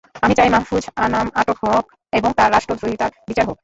আমি চাই মাহ্ফুজ আনাম আটক হোক এবং তাঁর রাষ্ট্রদ্রোহিতার বিচার হোক।